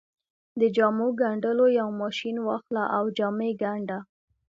د جامو ګنډلو يو ماشين واخله او جامې ګنډه.